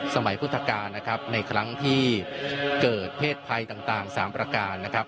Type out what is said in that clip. พุทธกาลนะครับในครั้งที่เกิดเพศภัยต่าง๓ประการนะครับ